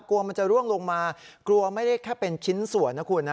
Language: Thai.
กลัวมันจะร่วงลงมากลัวไม่ได้แค่เป็นชิ้นส่วนนะคุณนะ